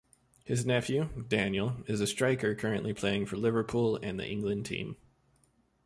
His nephew, Daniel, is a striker currently playing for Liverpool and the England team.